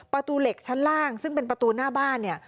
ประตูเหล็กชั้นล่างซึ่งเป็นประตูหน้าบ้านเนี่ย